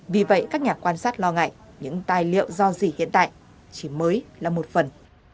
vì vậy các nhà quan sát lo ngại những tài liệu do gì hiện tại chỉ mới là một phần